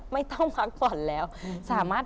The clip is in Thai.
ไม่ต้องพักผ่อนแล้วสามารถ